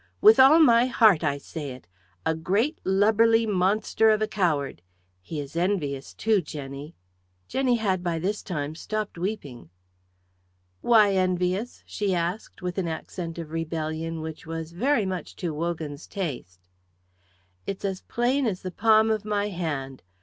With all my heart I say it. A great lubberly monster of a coward. He is envious, too, Jenny." Jenny had by this time stopped weeping. "Why envious?" she asked with an accent of rebellion which was very much to Wogan's taste. "It's as plain as the palm of my hand.